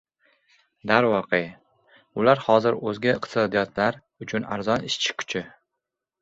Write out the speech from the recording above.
Darvoqe, ular hozir o‘zga iqtisodiyotlar uchun arzon ishchi kuchi